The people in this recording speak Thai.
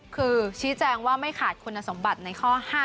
คือชี้แจงว่าไม่ขาดคุณสมบัติในข้อ๕๗